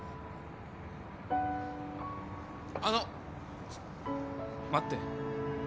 あの待って。